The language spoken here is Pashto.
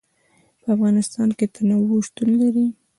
په افغانستان کې تنوع شتون لري.